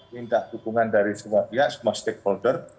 minta dukungan dari semua pihak semua stakeholder